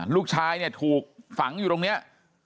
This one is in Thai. ลูกชายเนี่ยถูกฝังอยู่ตรงนี้